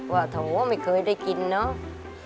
โถไม่เคยได้กินเนาะ